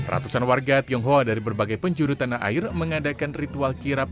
ratusan warga tionghoa dari berbagai penjuru tanah air mengadakan ritual kirap